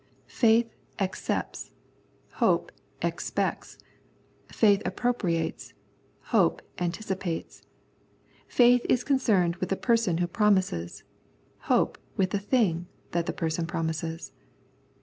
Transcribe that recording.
Faith accepts ; hope expects. Faith appropriates ; hope an ticipates. Faith is concerned with the per son who promises ; hope with the thing that theperson promises.